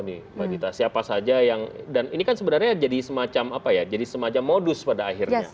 nih mbak dita siapa saja yang dan ini kan sebenarnya jadi semacam apa ya jadi semacam modus pada akhirnya